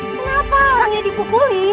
kenapa orangnya dipukuli